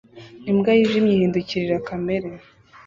Imbwa yijimye ihindukirira kamera